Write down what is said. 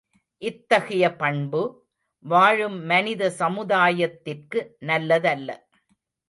இத்தகைய பண்பு, வாழும் மனித சமுதாயத்திற்கு நல்லதல்ல.